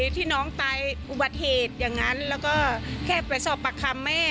ที่น้องตายอุบัติเหตุอย่างนั้นแล้วก็แค่ไปสอบปากคำแม่